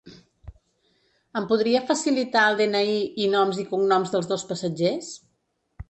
Em podria facilitar el de-ena-i i noms i cognoms dels dos passatgers?